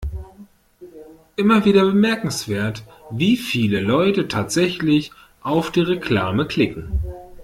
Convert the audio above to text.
Immer wieder bemerkenswert, wie viele Leute tatsächlich auf die Reklame klicken.